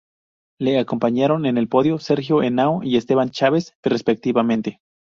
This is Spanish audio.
Le acompañaron en el podio Sergio Henao y Esteban Chaves, respectivamente.